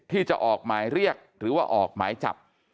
ที่จะออกหมายเรียกหรือว่าออกหมายจับ